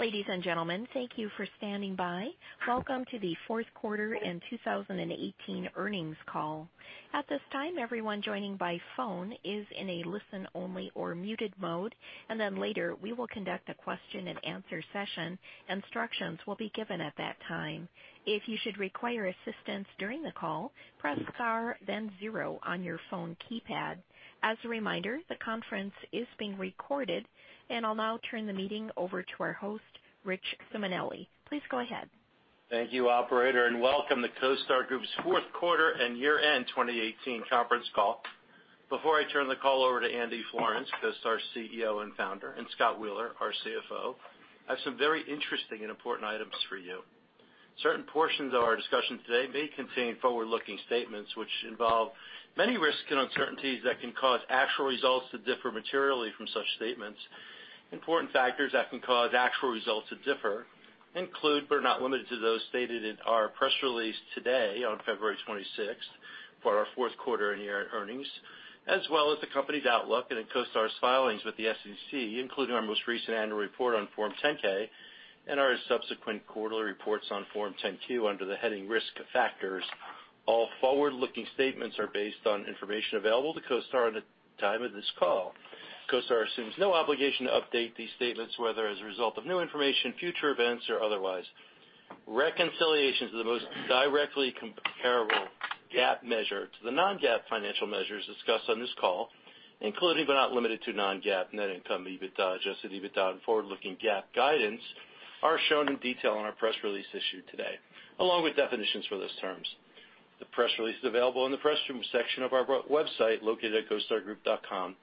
Ladies and gentlemen, thank you for standing by. Welcome to the fourth quarter in 2018 earnings call. At this time, everyone joining by phone is in a listen-only or muted mode. Later we will conduct a question-and-answer session. Instructions will be given at that time. If you should require assistance during the call, press star then zero on your phone keypad. As a reminder, the conference is being recorded. I'll now turn the meeting over to our host, Richard Simonelli. Please go ahead. Thank you, operator, and welcome to CoStar Group's fourth quarter and year-end 2018 conference call. Before I turn the call over to Andy Florance, CoStar CEO and Founder, and Scott Wheeler, our CFO, I have some very interesting and important items for you. Certain portions of our discussion today may contain forward-looking statements which involve many risks and uncertainties that can cause actual results to differ materially from such statements. Important factors that can cause actual results to differ include, but are not limited to, those stated in our press release today on February 26, for our fourth quarter and year-end earnings, as well as the company's outlook and in CoStar's filings with the SEC, including our most recent annual report on Form 10-K and our subsequent quarterly reports on Form 10-Q under the heading Risk Factors. All forward-looking statements are based on information available to CoStar at the time of this call. CoStar assumes no obligation to update these statements, whether as a result of new information, future events, or otherwise. Reconciliations to the most directly comparable GAAP measure to the non-GAAP financial measures discussed on this call, including but not limited to non-GAAP net income, EBITDA, adjusted EBITDA, and forward-looking GAAP guidance, are shown in detail in our press release issued today, along with definitions for those terms. The press release is available in the Press Room section of our website, located at costargroup.com.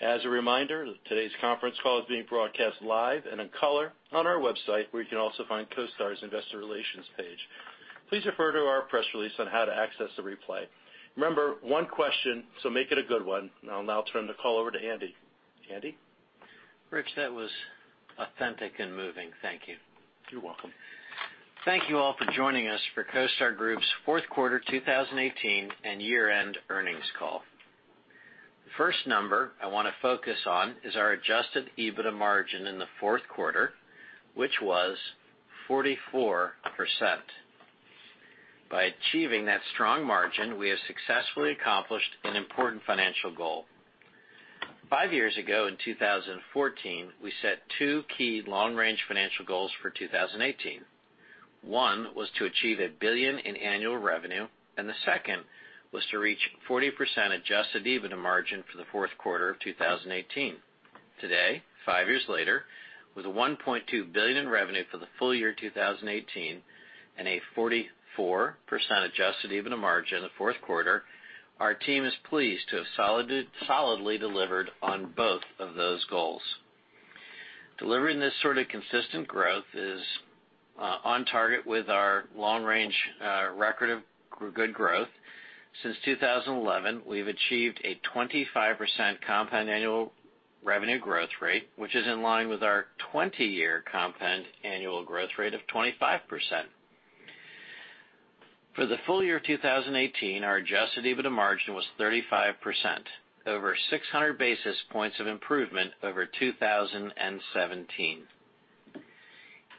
As a reminder, today's conference call is being broadcast live and in color on our website, where you can also find CoStar's investor relations page. Please refer to our press release on how to access the replay. Remember, one question. Make it a good one. I'll now turn the call over to Andy. Andy? Rich, that was authentic and moving. Thank you. You're welcome. Thank you all for joining us for CoStar Group's fourth quarter 2018 and year-end earnings call. The first number I want to focus on is our adjusted EBITDA margin in the fourth quarter, which was 44%. By achieving that strong margin, we have successfully accomplished an important financial goal. Five years ago, in 2014, we set two key long-range financial goals for 2018. One was to achieve a billion in annual revenue, and the second was to reach 40% adjusted EBITDA margin for the fourth quarter of 2018. Today, five years later, with $1.2 billion in revenue for the full year 2018 and a 44% adjusted EBITDA margin in the fourth quarter, our team is pleased to have solidly delivered on both of those goals. Delivering this sort of consistent growth is on target with our long-range record of good growth. Since 2011, we've achieved a 25% compound annual revenue growth rate, which is in line with our 20-year compound annual growth rate of 25%. For the full year of 2018, our adjusted EBITDA margin was 35%, over 600 basis points of improvement over 2017.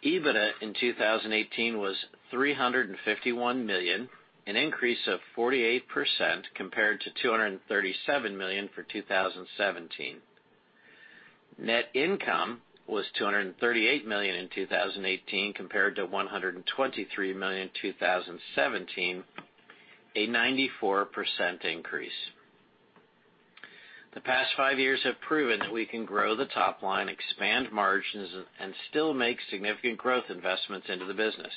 EBITDA in 2018 was $351 million, an increase of 48% compared to $237 million for 2017. Net income was $238 million in 2018 compared to $123 million in 2017, a 94% increase. The past five years have proven that we can grow the top line, expand margins, and still make significant growth investments into the business.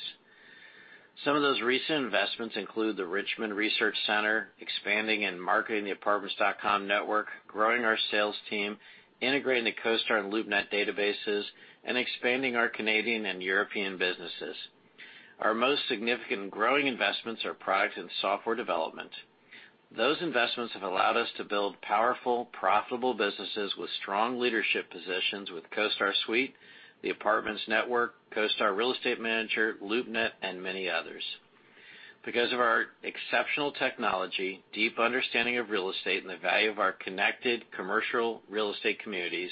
Some of those recent investments include the Richmond Research Center, expanding and marketing the Apartments.com Network, growing our sales team, integrating the CoStar and LoopNet databases, and expanding our Canadian and European businesses. Our most significant growing investments are product and software development. Those investments have allowed us to build powerful, profitable businesses with strong leadership positions with CoStar Suite, the Apartments.com Network, CoStar Real Estate Manager, LoopNet, and many others. Because of our exceptional technology, deep understanding of real estate, and the value of our connected commercial real estate communities,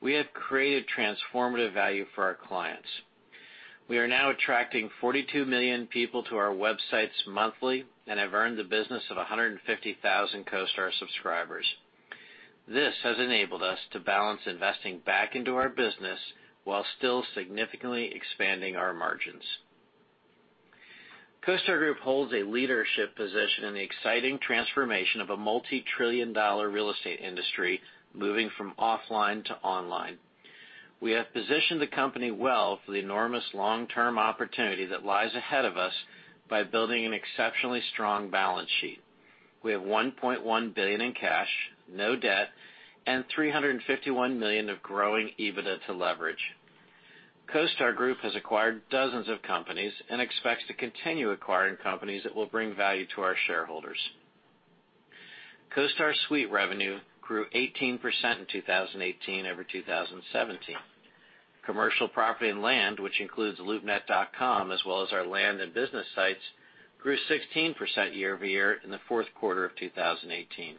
we have created transformative value for our clients. We are now attracting 42 million people to our websites monthly and have earned the business of 150,000 CoStar subscribers. This has enabled us to balance investing back into our business while still significantly expanding our margins. CoStar Group holds a leadership position in the exciting transformation of a multi-trillion dollar real estate industry, moving from offline to online. We have positioned the company well for the enormous long-term opportunity that lies ahead of us by building an exceptionally strong balance sheet. We have $1.1 billion in cash, no debt, and $351 million of growing EBITDA to leverage. CoStar Group has acquired dozens of companies and expects to continue acquiring companies that will bring value to our shareholders. CoStar Suite revenue grew 18% in 2018 over 2017. Commercial property and land, which includes loopnet.com as well as our land and business sites, grew 16% year-over-year in the fourth quarter of 2018.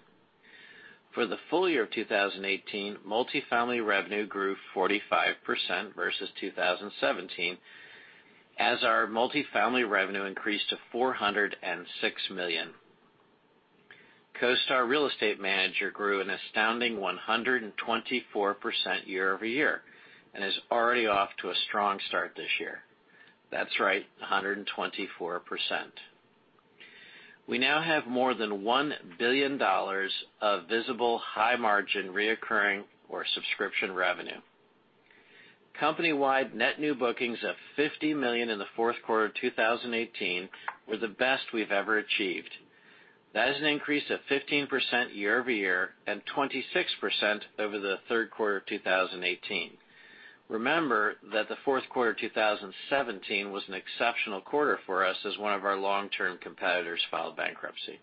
For the full year of 2018, multifamily revenue grew 45% versus 2017, as our multifamily revenue increased to $406 million. CoStar Real Estate Manager grew an astounding 124% year-over-year and is already off to a strong start this year. That's right, 124%. We now have more than $1 billion of visible high-margin recurring or subscription revenue. Company-wide net new bookings of $50 million in the fourth quarter of 2018 were the best we've ever achieved. That is an increase of 15% year-over-year and 26% over the third quarter of 2018. Remember that the fourth quarter of 2017 was an exceptional quarter for us as one of our long-term competitors filed bankruptcy.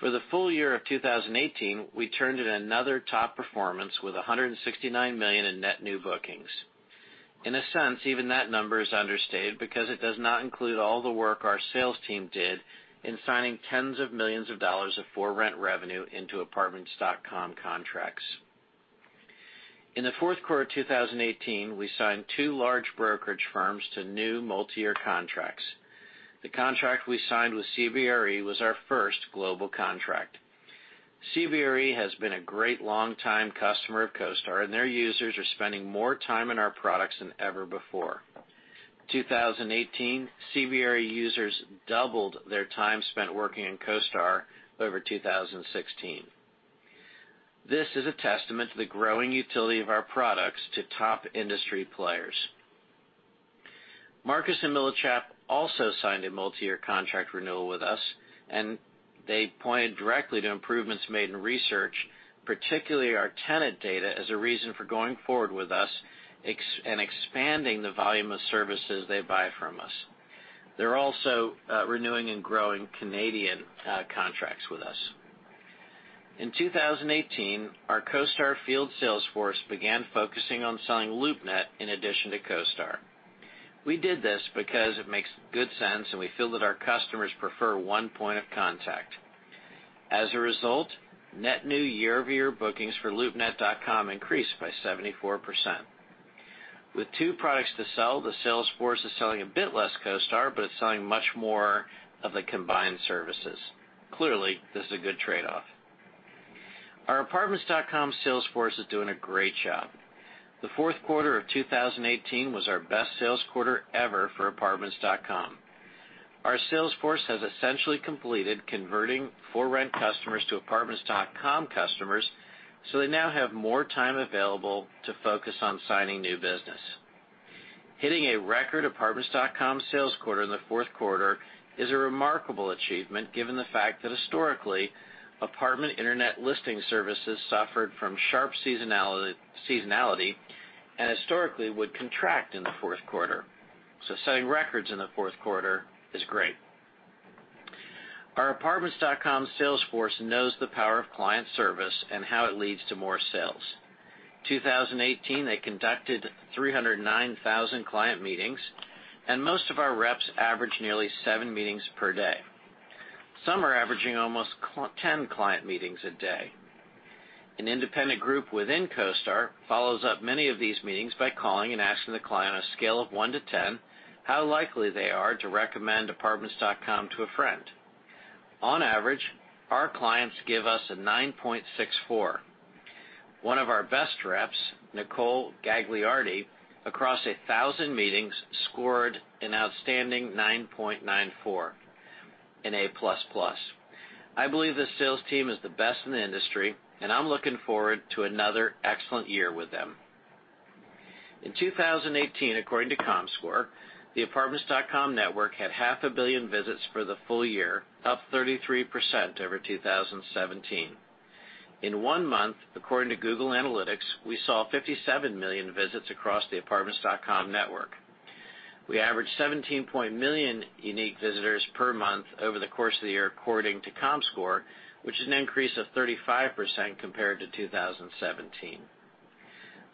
For the full year of 2018, we turned in another top performance with $169 million in net new bookings. In a sense, even that number is understated because it does not include all the work our sales team did in signing tens of millions of dollars of ForRent revenue into Apartments.com contracts. In the fourth quarter of 2018, we signed two large brokerage firms to new multi-year contracts. The contract we signed with CBRE was our first global contract. CBRE has been a great long-time customer of CoStar, and their users are spending more time on our products than ever before. 2018, CBRE users doubled their time spent working in CoStar over 2016. This is a testament to the growing utility of our products to top industry players. Marcus & Millichap also signed a multi-year contract renewal with us, and they pointed directly to improvements made in research, particularly our tenant data, as a reason for going forward with us and expanding the volume of services they buy from us. They're also renewing and growing Canadian contracts with us. In 2018, our CoStar field sales force began focusing on selling LoopNet in addition to CoStar. We did this because it makes good sense, and we feel that our customers prefer one point of contact. As a result, net new year-over-year bookings for loopnet.com increased by 74%. With two products to sell, the sales force is selling a bit less CoStar, but it's selling much more of the combined services. Clearly, this is a good trade-off. Our Apartments.com sales force is doing a great job. The fourth quarter of 2018 was our best sales quarter ever for Apartments.com. Our sales force has essentially completed converting ForRent customers to Apartments.com customers, they now have more time available to focus on signing new business. Hitting a record Apartments.com sales quarter in the fourth quarter is a remarkable achievement given the fact that historically, apartment internet listing services suffered from sharp seasonality and historically would contract in the fourth quarter. Setting records in the fourth quarter is great. Our Apartments.com sales force knows the power of client service and how it leads to more sales. In 2018, they conducted 309,000 client meetings, and most of our reps average nearly seven meetings per day. Some are averaging almost 10 client meetings a day. An independent group within CoStar follows up many of these meetings by calling and asking the client on a scale of one to 10 how likely they are to recommend Apartments.com to a friend. On average, our clients give us a 9.64. One of our best reps, Nicole Gagliardi, across 1,000 meetings scored an outstanding 9.94, an A++. I believe this sales team is the best in the industry, and I'm looking forward to another excellent year with them. In 2018, according to Comscore, the Apartments.com network had half a billion visits for the full year, up 33% over 2017. In one month, according to Google Analytics, we saw 57 million visits across the Apartments.com network. We averaged 17.8 million unique visitors per month over the course of the year according to Comscore, which is an increase of 35% compared to 2017.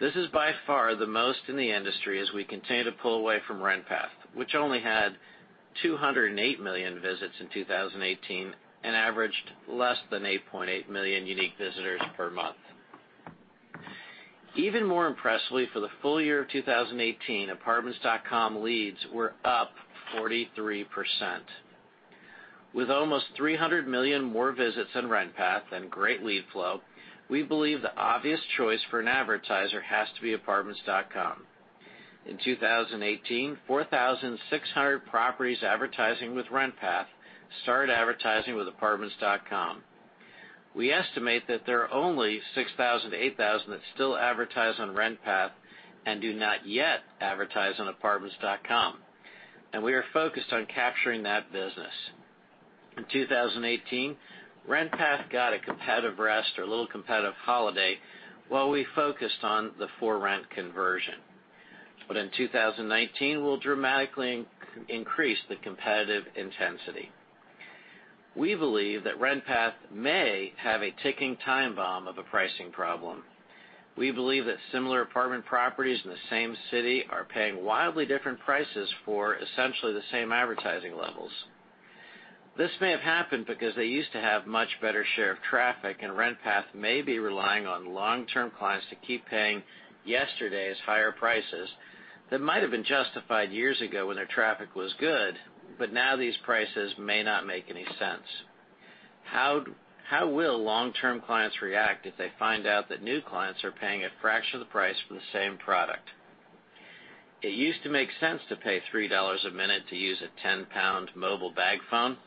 This is by far the most in the industry as we continue to pull away from RentPath, which only had 208 million visits in 2018 and averaged less than 8.8 million unique visitors per month. Even more impressively, for the full year of 2018, Apartments.com leads were up 43%. With almost 300 million more visits than RentPath and great lead flow, we believe the obvious choice for an advertiser has to be Apartments.com. In 2018, 4,600 properties advertising with RentPath started advertising with Apartments.com. We estimate that there are only 6,000 to 8,000 that still advertise on RentPath and do not yet advertise on Apartments.com. We are focused on capturing that business. In 2018, RentPath got a competitive rest or a little competitive holiday while we focused on the ForRent conversion. In 2019, we'll dramatically increase the competitive intensity. We believe that RentPath may have a ticking time bomb of a pricing problem. We believe that similar apartment properties in the same city are paying wildly different prices for essentially the same advertising levels. This may have happened because they used to have much better share of traffic, and RentPath may be relying on long-term clients to keep paying yesterday's higher prices that might've been justified years ago when their traffic was good, but now these prices may not make any sense. How will long-term clients react if they find out that new clients are paying a fraction of the price for the same product? It used to make sense to pay $3 a minute to use a 10-pound mobile bag phone,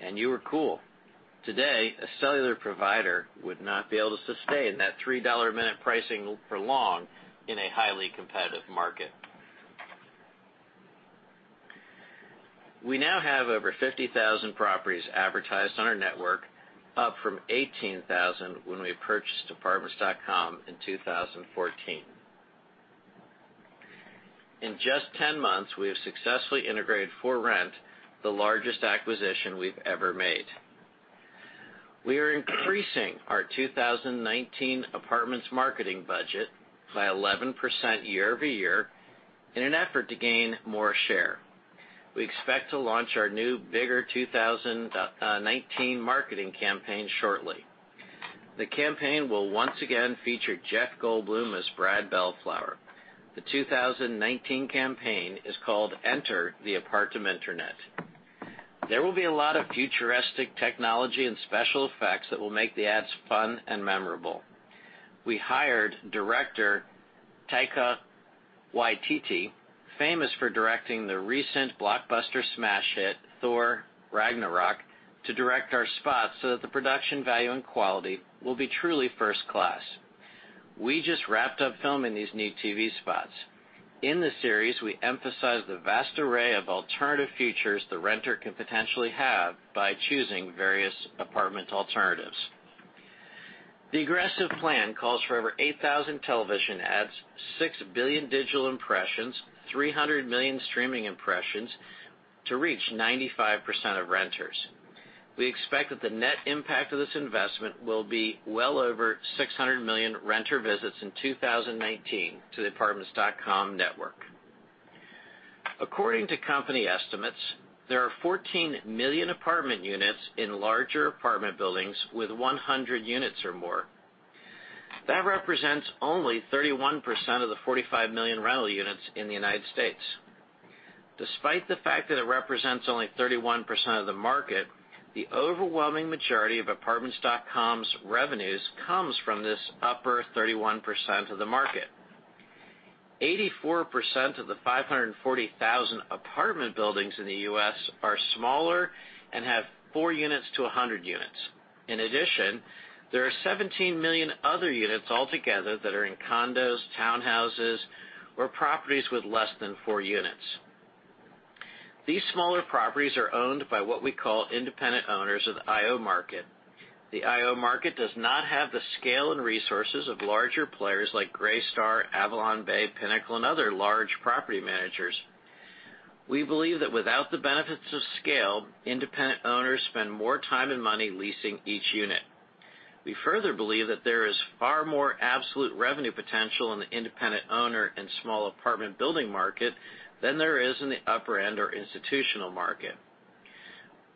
and you were cool. Today, a cellular provider would not be able to sustain that $3 a minute pricing for long in a highly competitive market. We now have over 50,000 properties advertised on our network, up from 18,000 when we purchased Apartments.com in 2014. In just 10 months, we have successfully integrated ForRent, the largest acquisition we've ever made. We are increasing our 2019 Apartments marketing budget by 11% year-over-year in an effort to gain more share. We expect to launch our new, bigger 2019 marketing campaign shortly. The campaign will once again feature Jeff Goldblum as Brad Bellflower. The 2019 campaign is called Enter the Apartmenternet. There will be a lot of futuristic technology and special effects that will make the ads fun and memorable. We hired director Taika Waititi, famous for directing the recent blockbuster smash hit, "Thor: Ragnarok," to direct our spots so that the production value and quality will be truly first class. We just wrapped up filming these new TV spots. In the series, we emphasize the vast array of alternative futures the renter can potentially have by choosing various apartment alternatives. The aggressive plan calls for over 8,000 television ads, 6 billion digital impressions, 300 million streaming impressions to reach 95% of renters. We expect that the net impact of this investment will be well over 600 million renter visits in 2019 to the Apartments.com Network. According to company estimates, there are 14 million apartment units in larger apartment buildings with 100 units or more. That represents only 31% of the 45 million rental units in the U.S. Despite the fact that it represents only 31% of the market, the overwhelming majority of Apartments.com's revenues comes from this upper 31% of the market. 84% of the 540,000 apartment buildings in the U.S. are smaller and have four units to 100 units. In addition, there are 17 million other units altogether that are in condos, townhouses, or properties with less than four units. These smaller properties are owned by what we call independent owners of the IO market. The IO market does not have the scale and resources of larger players like Greystar, AvalonBay, Pinnacle, and other large property managers. We believe that without the benefits of scale, independent owners spend more time and money leasing each unit. We further believe that there is far more absolute revenue potential in the independent owner and small apartment building market than there is in the upper end or institutional market.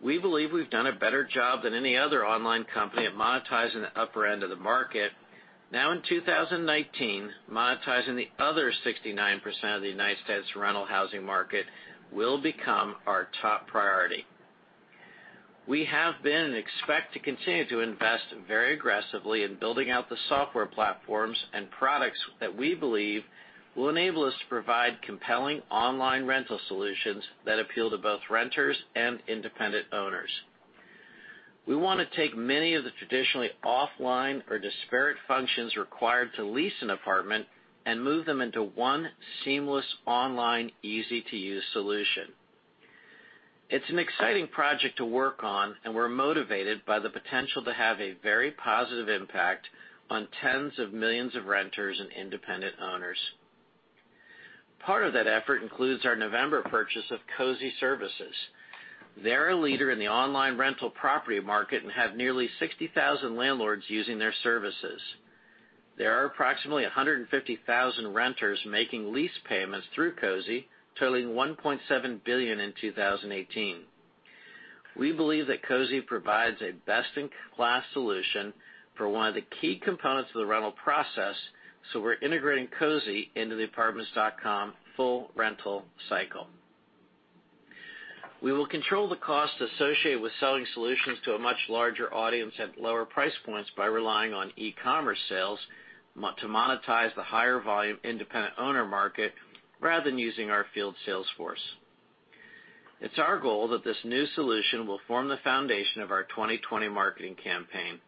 We believe we've done a better job than any other online company at monetizing the upper end of the market. Now in 2019, monetizing the other 69% of the U.S. rental housing market will become our top priority. We have been and expect to continue to invest very aggressively in building out the software platforms and products that we believe will enable us to provide compelling online rental solutions that appeal to both renters and independent owners. We want to take many of the traditionally offline or disparate functions required to lease an apartment and move them into one seamless online, easy-to-use solution. It's an exciting project to work on, and we're motivated by the potential to have a very positive impact on tens of millions of renters and independent owners. Part of that effort includes our November purchase of Cozy Services. They're a leader in the online rental property market and have nearly 60,000 landlords using their services. There are approximately 150,000 renters making lease payments through Cozy, totaling $1.7 billion in 2018. We believe that Cozy provides a best-in-class solution for one of the key components of the rental process. We're integrating Cozy into the Apartments.com full rental cycle. We will control the cost associated with selling solutions to a much larger audience at lower price points by relying on e-commerce sales to monetize the higher volume independent owner market rather than using our field sales force. It's our goal that this new solution will form the foundation of our 2020 marketing campaign.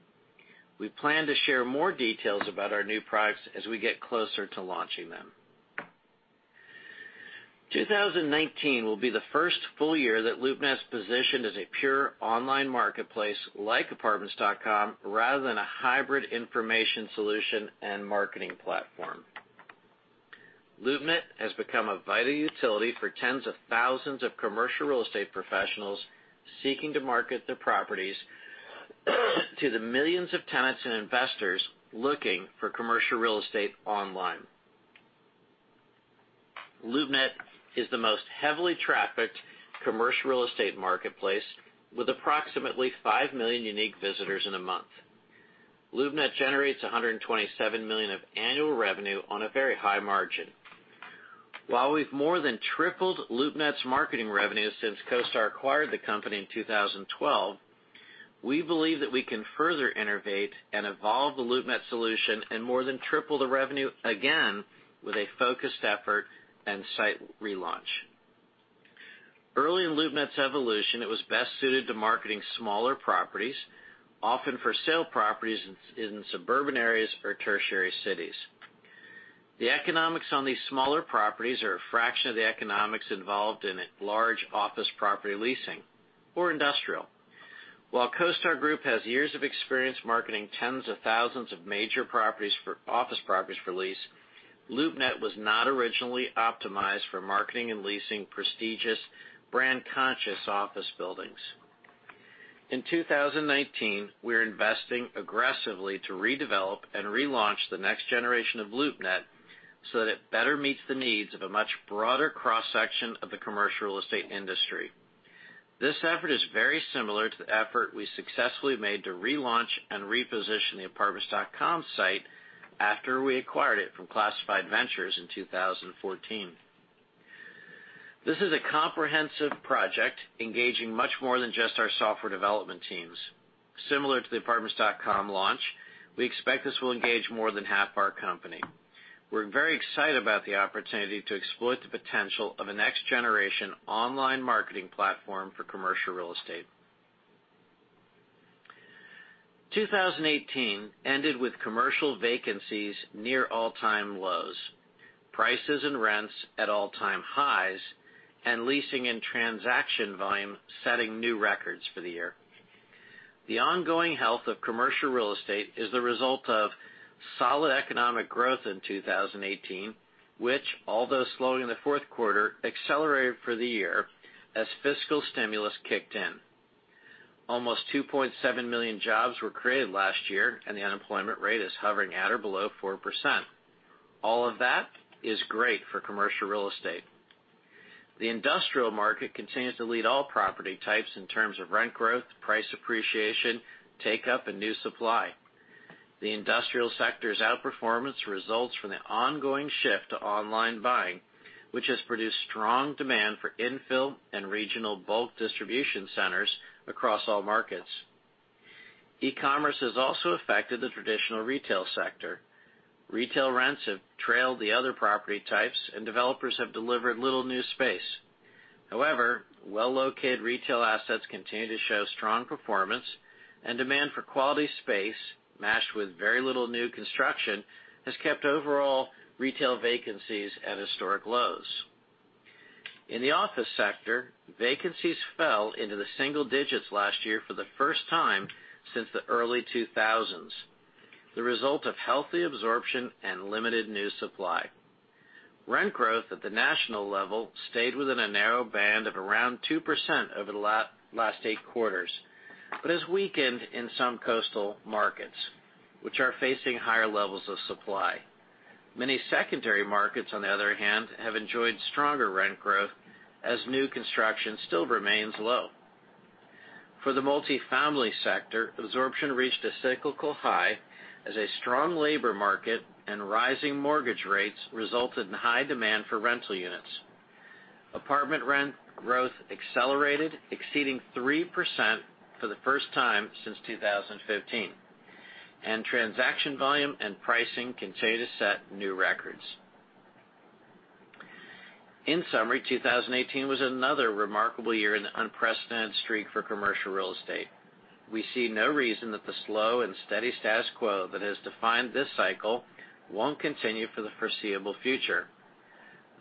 We plan to share more details about our new products as we get closer to launching them. 2019 will be the first full year that LoopNet is positioned as a pure online marketplace like Apartments.com, rather than a hybrid information solution and marketing platform. LoopNet has become a vital utility for tens of thousands of commercial real estate professionals seeking to market their properties to the millions of tenants and investors looking for commercial real estate online. LoopNet is the most heavily trafficked commercial real estate marketplace, with approximately 5 million unique visitors in a month. LoopNet generates $127 million of annual revenue on a very high margin. While we've more than tripled LoopNet's marketing revenue since CoStar acquired the company in 2012, we believe that we can further innovate and evolve the LoopNet solution and more than triple the revenue again with a focused effort and site relaunch. Early in LoopNet's evolution, it was best suited to marketing smaller properties, often for sale properties in suburban areas or tertiary cities. The economics on these smaller properties are a fraction of the economics involved in large office property leasing or industrial. While CoStar Group has years of experience marketing tens of thousands of major office properties for lease, LoopNet was not originally optimized for marketing and leasing prestigious brand-conscious office buildings. In 2019, we're investing aggressively to redevelop and relaunch the next generation of LoopNet so that it better meets the needs of a much broader cross-section of the commercial real estate industry. This effort is very similar to the effort we successfully made to relaunch and reposition the Apartments.com site after we acquired it from Classified Ventures in 2014. This is a comprehensive project engaging much more than just our software development teams. Similar to the Apartments.com launch, we expect this will engage more than half our company. We're very excited about the opportunity to exploit the potential of a next-generation online marketing platform for commercial real estate. 2018 ended with commercial vacancies near all-time lows, prices and rents at all-time highs, and leasing and transaction volume setting new records for the year. The ongoing health of commercial real estate is the result of solid economic growth in 2018, which, although slowing in the fourth quarter, accelerated for the year as fiscal stimulus kicked in. Almost 2.7 million jobs were created last year, and the unemployment rate is hovering at or below 4%. All of that is great for commercial real estate. The industrial market continues to lead all property types in terms of rent growth, price appreciation, take-up, and new supply. The industrial sector's outperformance results from the ongoing shift to online buying, which has produced strong demand for infill and regional bulk distribution centers across all markets. E-commerce has also affected the traditional retail sector. Retail rents have trailed the other property types, and developers have delivered little new space. However, well-located retail assets continue to show strong performance, and demand for quality space, matched with very little new construction, has kept overall retail vacancies at historic lows. In the office sector, vacancies fell into the single digits last year for the first time since the early 2000s, the result of healthy absorption and limited new supply. Rent growth at the national level stayed within a narrow band of around 2% over the last 8 quarters, but has weakened in some coastal markets, which are facing higher levels of supply. Many secondary markets, on the other hand, have enjoyed stronger rent growth as new construction still remains low. For the multifamily sector, absorption reached a cyclical high as a strong labor market and rising mortgage rates resulted in high demand for rental units. Apartment rent growth accelerated, exceeding 3% for the first time since 2015, and transaction volume and pricing continue to set new records. In summary, 2018 was another remarkable year in the unprecedented streak for commercial real estate. We see no reason that the slow and steady status quo that has defined this cycle won't continue for the foreseeable future.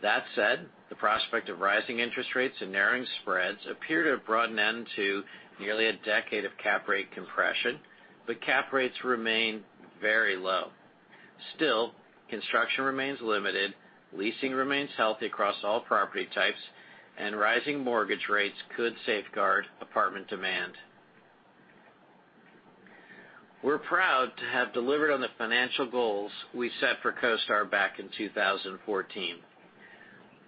That said, the prospect of rising interest rates and narrowing spreads appear to have brought an end to nearly a decade of cap rate compression, but cap rates remain very low. Construction remains limited, leasing remains healthy across all property types, and rising mortgage rates could safeguard apartment demand. We're proud to have delivered on the financial goals we set for CoStar back in 2014.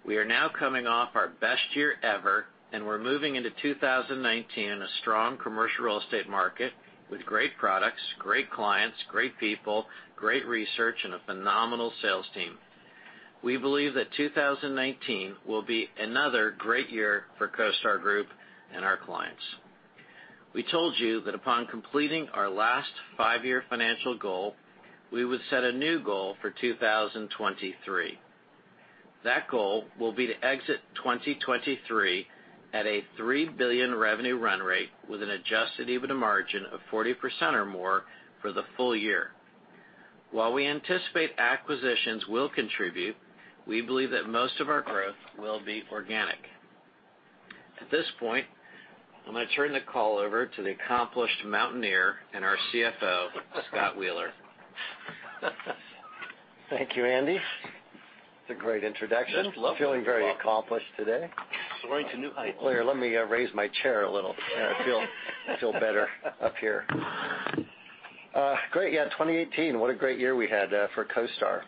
We are now coming off our best year ever, and we're moving into 2019 in a strong commercial real estate market with great products, great clients, great people, great research, and a phenomenal sales team. We believe that 2019 will be another great year for CoStar Group and our clients. We told you that upon completing our last five-year financial goal, we would set a new goal for 2023. That goal will be to exit 2023 at a $3 billion revenue run rate with an adjusted EBITDA margin of 40% or more for the full year. While we anticipate acquisitions will contribute, we believe that most of our growth will be organic. At this point, I'm going to turn the call over to the accomplished mountaineer and our CFO, Scott Wheeler. Thank you, Andy. That's a great introduction. Just lovely. Feeling very accomplished today. Soaring to new heights. Here, let me raise my chair a little. I feel better up here. Great, yeah. 2018, what a great year we had for CoStar.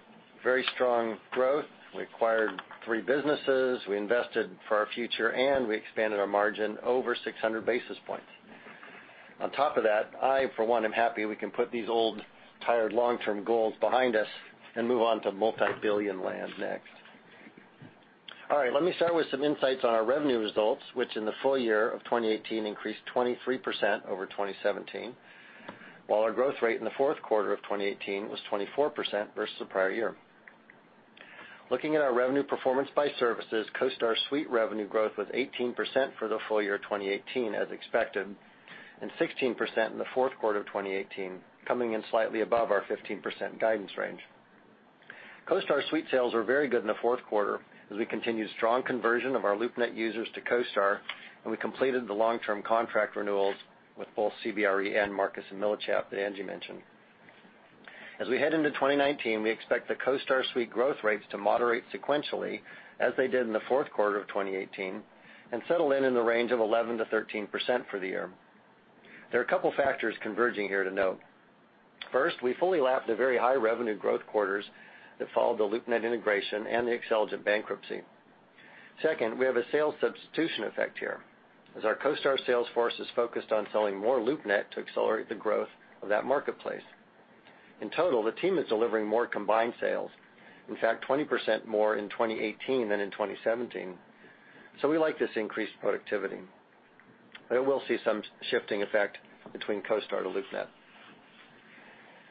Very strong growth. We acquired three businesses, we invested for our future, and we expanded our margin over 600 basis points. On top of that, I for one am happy we can put these old, tired long-term goals behind us and move on to multi-billion land next. All right. Let me start with some insights on our revenue results, which in the full year of 2018 increased 23% over 2017. Our growth rate in the fourth quarter of 2018 was 24% versus the prior year. Looking at our revenue performance by services, CoStar Suite revenue growth was 18% for the full year 2018 as expected, and 16% in the fourth quarter of 2018, coming in slightly above our 15% guidance range. CoStar Suite sales were very good in the fourth quarter as we continued strong conversion of our LoopNet users to CoStar, and we completed the long-term contract renewals with both CBRE and Marcus & Millichap that Andy mentioned. We head into 2019, we expect the CoStar Suite growth rates to moderate sequentially as they did in the fourth quarter of 2018, and settle in in the range of 11%-13% for the year. There are a couple of factors converging here to note. First, we fully lapped the very high revenue growth quarters that followed the LoopNet integration and the Xceligent bankruptcy. Second, we have a sales substitution effect here, as our CoStar sales force is focused on selling more LoopNet to accelerate the growth of that marketplace. In total, the team is delivering more combined sales. In fact, 20% more in 2018 than in 2017. We like this increased productivity. It will see some shifting effect between CoStar to LoopNet.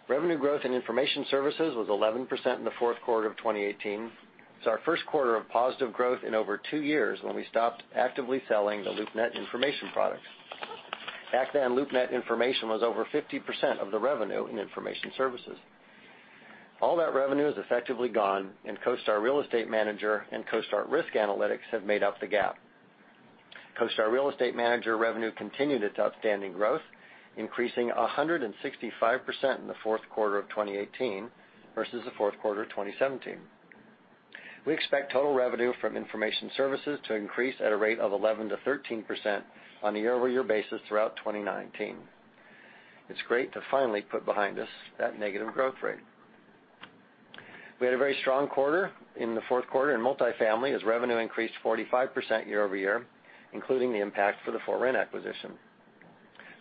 Revenue growth in information services was 11% in the fourth quarter of 2018. It's our first quarter of positive growth in over two years when we stopped actively selling the LoopNet information products. Back then, LoopNet information was over 50% of the revenue in information services. All that revenue is effectively gone, and CoStar Real Estate Manager and CoStar Risk Analytics have made up the gap. CoStar Real Estate Manager revenue continued its outstanding growth, increasing 165% in the fourth quarter of 2018 versus the fourth quarter of 2017. We expect total revenue from information services to increase at a rate of 11%-13% on a year-over-year basis throughout 2019. It's great to finally put behind us that negative growth rate. We had a very strong quarter in the fourth quarter in multifamily, as revenue increased 45% year-over-year, including the impact for the ForRent acquisition.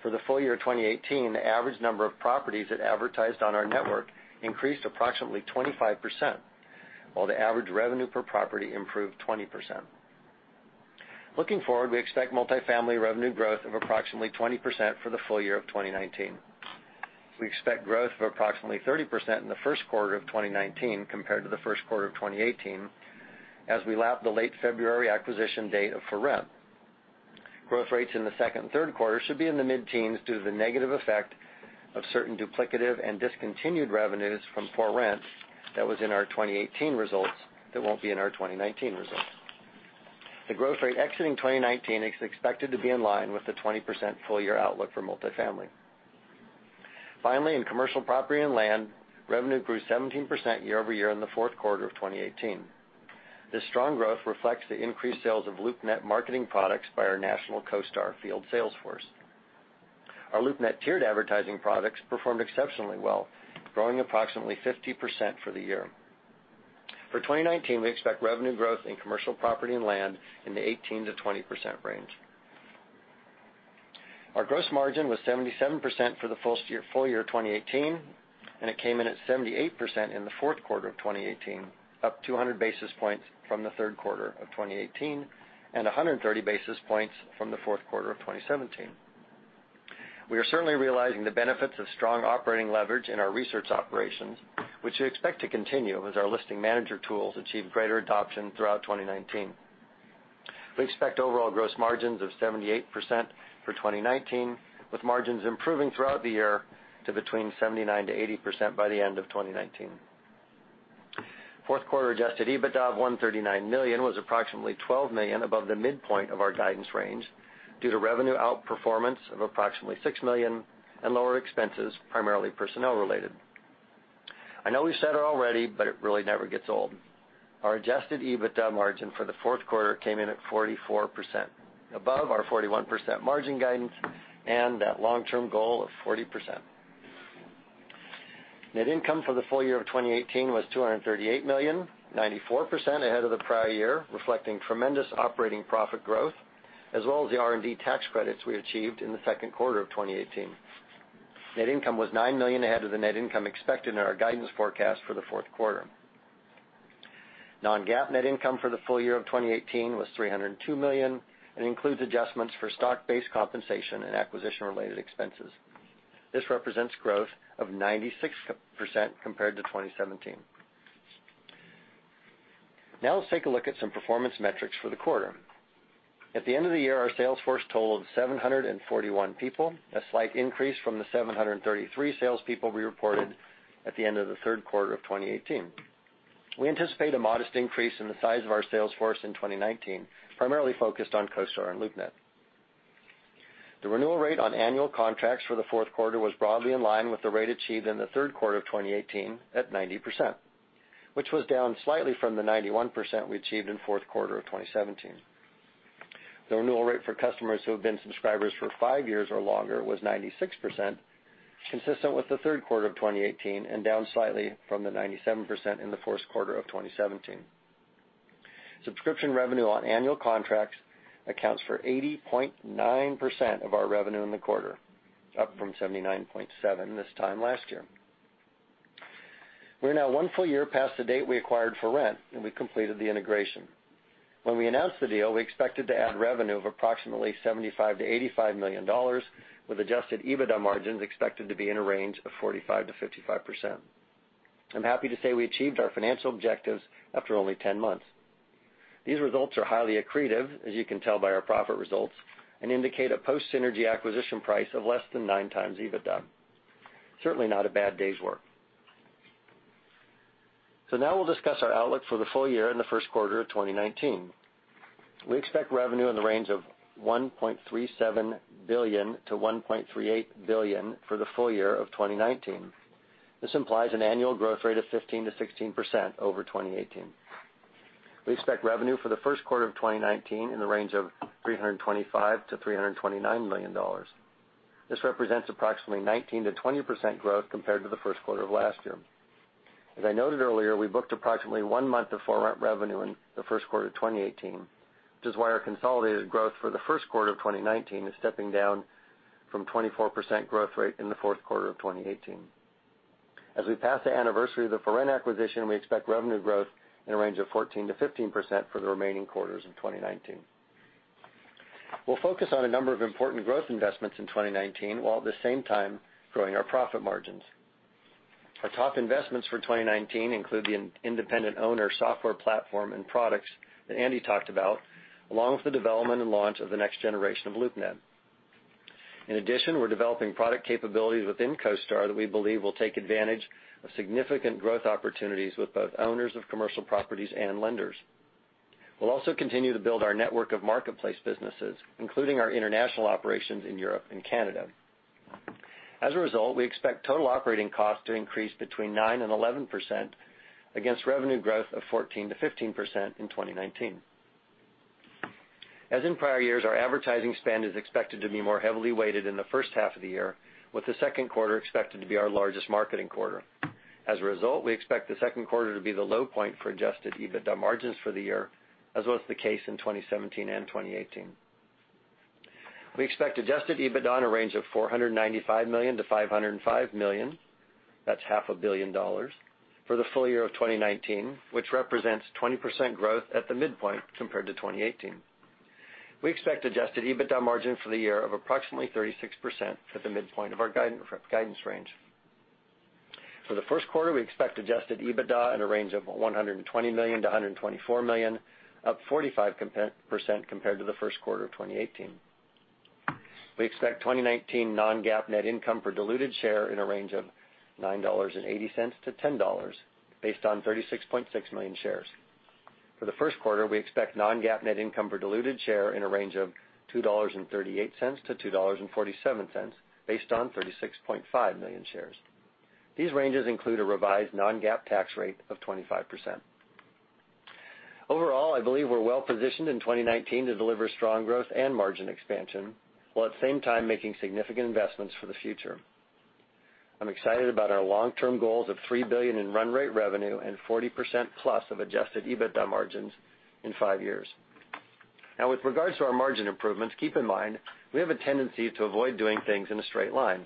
For the full year 2018, the average number of properties that advertised on our network increased approximately 25%, while the average revenue per property improved 20%. Looking forward, we expect multifamily revenue growth of approximately 20% for the full year of 2019. We expect growth of approximately 30% in the first quarter of 2019 compared to the first quarter of 2018, as we lap the late February acquisition date of ForRent. Growth rates in the second and third quarter should be in the mid-teens due to the negative effect of certain duplicative and discontinued revenues from ForRent that was in our 2018 results that won't be in our 2019 results. The growth rate exiting 2019 is expected to be in line with the 20% full-year outlook for multifamily. Finally, in commercial property and land, revenue grew 17% year-over-year in the fourth quarter of 2018. This strong growth reflects the increased sales of LoopNet marketing products by our national CoStar field sales force. Our LoopNet tiered advertising products performed exceptionally well, growing approximately 50% for the year. For 2019, we expect revenue growth in commercial property and land in the 18%-20% range. Our gross margin was 77% for the full year 2018, and it came in at 78% in the fourth quarter of 2018, up 200 basis points from the third quarter of 2018, and 130 basis points from the fourth quarter of 2017. We are certainly realizing the benefits of strong operating leverage in our research operations, which we expect to continue as our Listing Manager tools achieve greater adoption throughout 2019. We expect overall gross margins of 78% for 2019, with margins improving throughout the year to between 79%-80% by the end of 2019. Fourth quarter adjusted EBITDA of $139 million was approximately $12 million above the midpoint of our guidance range due to revenue outperformance of approximately $6 million and lower expenses, primarily personnel-related. I know we've said it already, but it really never gets old. Our adjusted EBITDA margin for the fourth quarter came in at 44%, above our 41% margin guidance and that long-term goal of 40%. Net income for the full year of 2018 was $238 million, 94% ahead of the prior year, reflecting tremendous operating profit growth, as well as the R&D tax credits we achieved in the second quarter of 2018. Net income was $9 million ahead of the net income expected in our guidance forecast for the fourth quarter. Non-GAAP net income for the full year of 2018 was $302 million, and includes adjustments for stock-based compensation and acquisition-related expenses. This represents growth of 96% compared to 2017. Now, let's take a look at some performance metrics for the quarter. At the end of the year, our sales force totaled 741 people, a slight increase from the 733 salespeople we reported at the end of the third quarter of 2018. We anticipate a modest increase in the size of our sales force in 2019, primarily focused on CoStar and LoopNet. The renewal rate on annual contracts for the fourth quarter was broadly in line with the rate achieved in the third quarter of 2018 at 90%, which was down slightly from the 91% we achieved in the fourth quarter of 2017. The renewal rate for customers who have been subscribers for five years or longer was 96%, consistent with the third quarter of 2018 and down slightly from the 97% in the first quarter of 2017. Subscription revenue on annual contracts accounts for 80.9% of our revenue in the quarter, up from 79.7% this time last year. We're now one full year past the date we acquired ForRent, and we completed the integration. When we announced the deal, we expected to add revenue of approximately $75 million-$85 million with adjusted EBITDA margins expected to be in a range of 45%-55%. I'm happy to say we achieved our financial objectives after only 10 months. These results are highly accretive, as you can tell by our profit results, and indicate a post-synergy acquisition price of less than nine times EBITDA. Certainly not a bad day's work. Now we'll discuss our outlook for the full year and the first quarter of 2019. We expect revenue in the range of $1.37 billion-$1.38 billion for the full year of 2019. This implies an annual growth rate of 15%-16% over 2018. We expect revenue for the first quarter of 2019 in the range of $325 million-$329 million. This represents approximately 19%-20% growth compared to the first quarter of last year. As I noted earlier, we booked approximately one month of revenue in the first quarter of 2018, which is why our consolidated growth for the first quarter of 2019 is stepping down from 24% growth rate in the fourth quarter of 2018. As we pass the anniversary of the For Rent acquisition, we expect revenue growth in a range of 14%-15% for the remaining quarters in 2019. We'll focus on a number of important growth investments in 2019, while at the same time growing our profit margins. Our top investments for 2019 include the independent owner software platform and products that Andy talked about, along with the development and launch of the next generation of LoopNet. In addition, we're developing product capabilities within CoStar that we believe will take advantage of significant growth opportunities with both owners of commercial properties and lenders. We'll also continue to build our network of marketplace businesses, including our international operations in Europe and Canada. As a result, we expect total operating costs to increase between 9% and 11% against revenue growth of 14%-15% in 2019. As in prior years, our advertising spend is expected to be more heavily weighted in the first half of the year, with the second quarter expected to be our largest marketing quarter. As a result, we expect the second quarter to be the low point for adjusted EBITDA margins for the year, as was the case in 2017 and 2018. We expect adjusted EBITDA in a range of $495 million-$505 million, that's half a billion dollars, for the full year of 2019, which represents 20% growth at the midpoint compared to 2018. We expect adjusted EBITDA margin for the year of approximately 36% at the midpoint of our guidance range. For the first quarter, we expect adjusted EBITDA in a range of $120 million-$124 million, up 45% compared to the first quarter of 2018. We expect 2019 non-GAAP net income per diluted share in a range of $9.80-$10 based on 36.6 million shares. For the first quarter, we expect non-GAAP net income per diluted share in a range of $2.38-$2.47, based on 36.5 million shares. These ranges include a revised non-GAAP tax rate of 25%. Overall, I believe we're well-positioned in 2019 to deliver strong growth and margin expansion, while at the same time making significant investments for the future. I'm excited about our long-term goals of $3 billion in run rate revenue and 40%+ of adjusted EBITDA margins in five years. Now with regards to our margin improvements, keep in mind, we have a tendency to avoid doing things in a straight line.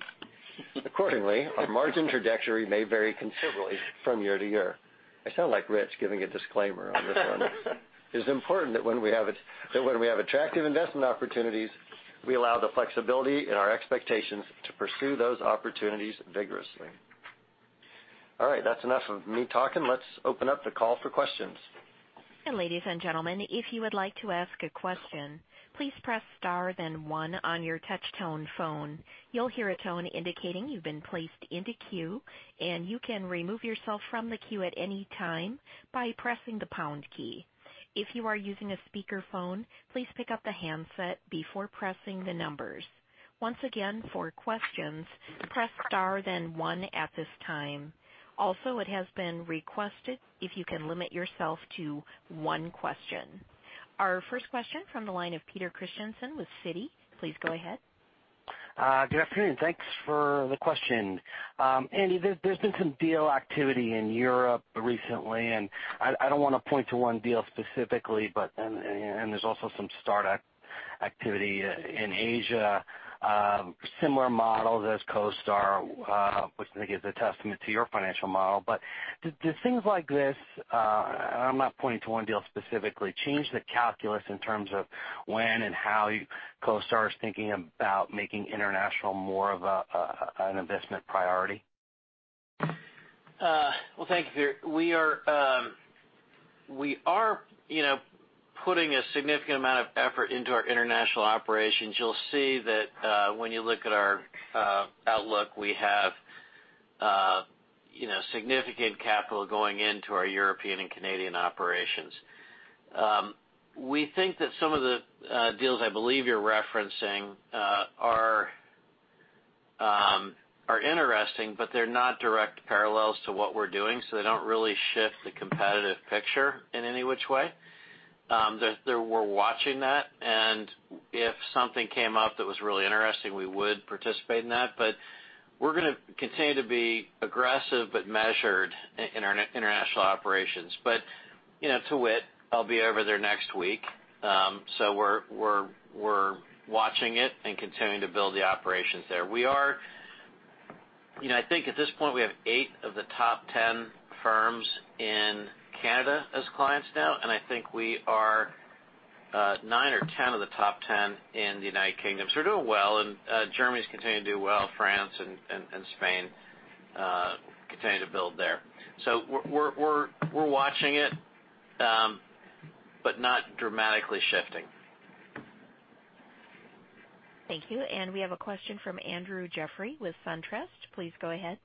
Accordingly, our margin trajectory may vary considerably from year to year. I sound like Rich giving a disclaimer on this one. It is important that when we have attractive investment opportunities, we allow the flexibility in our expectations to pursue those opportunities vigorously. That's enough of me talking. Let's open up the call for questions. Ladies and gentlemen, if you would like to ask a question, please press star then one on your touch tone phone. You'll hear a tone indicating you've been placed into queue, and you can remove yourself from the queue at any time by pressing the pound key. If you are using a speakerphone, please pick up the handset before pressing the numbers. Once again, for questions, press star then one at this time. Also, it has been requested if you can limit yourself to one question. Our first question from the line of Peter Christiansen with Citi. Please go ahead. Good afternoon. Thanks for the question. Andy, there's been some deal activity in Europe recently. I don't want to point to one deal specifically. There's also some startup activity in Asia, similar models as CoStar, which I think is a testament to your financial model. Do things like this, I'm not pointing to one deal specifically, change the calculus in terms of when and how CoStar is thinking about making international more of an investment priority? Well, thank you, Peter. We are putting a significant amount of effort into our international operations. You'll see that when you look at our outlook, we have significant capital going into our European and Canadian operations. We think that some of the deals I believe you're referencing are interesting, but they're not direct parallels to what we're doing, so they don't really shift the competitive picture in any which way. We're watching that, and if something came up that was really interesting, we would participate in that. We're going to continue to be aggressive but measured in our international operations. To wit, I'll be over there next week. We're watching it and continuing to build the operations there. I think at this point, we have eight of the top 10 firms in Canada as clients now, and I think we are nine or 10 of the top 10 in the United Kingdom. We're doing well, and Germany's continuing to do well. France and Spain are continuing to build there. We're watching it, but not dramatically shifting. Thank you. We have a question from Andrew Jeffrey with SunTrust. Please go ahead.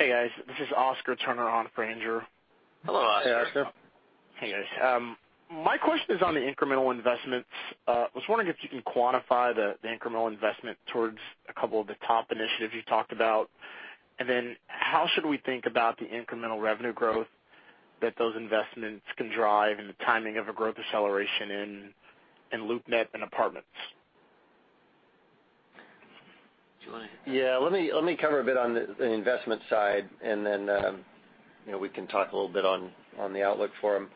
Hey, guys. This is Oscar Turner on for Andrew. Hello, Oscar. Hey, Oscar. Hey, guys. My question is on the incremental investments. I was wondering if you can quantify the incremental investment towards a couple of the top initiatives you talked about. How should we think about the incremental revenue growth that those investments can drive and the timing of a growth acceleration in LoopNet and Apartments? Do you want to? Yeah. Let me cover a bit on the investment side, then we can talk a little bit on the outlook for them.